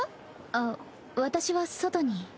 あっ私は外に。